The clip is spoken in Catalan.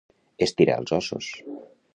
Estirar els ossos.